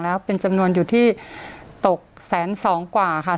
แล้วเป็นจำนวนอยู่ที่ตกแสนสองกว่าค่ะ